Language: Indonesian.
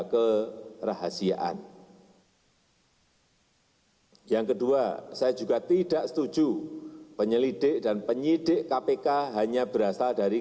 kerahasiaan yang kedua saya juga tidak setuju penyelidik dan penyidik kpk hanya berasal dari